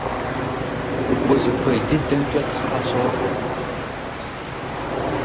Узыхуей дыдэмкӀэ Тхьэ соӀуэ!